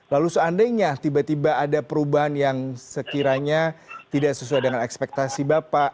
lalu seandainya tiba tiba ada perubahan yang sekiranya tidak sesuai dengan ekspektasi bapak